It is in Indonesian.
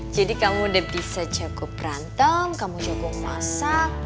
jadi kamu udah bisa jago perantem kamu jago masak